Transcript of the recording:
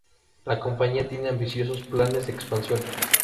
La compañía tiene ambiciosos planes de expansión.